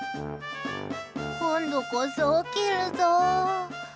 今度こそ、起きるぞ！